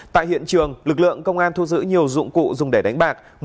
tại hiện trường lực lượng công an thu giữ nhiều dụng cụ dùng để đánh bạc